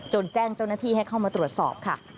แจ้งเจ้าหน้าที่ให้เข้ามาตรวจสอบค่ะ